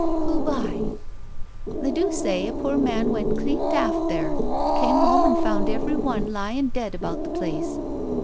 "Who by?" " They do say a poor man went clean daft there — came home and found every one lying dead about the place."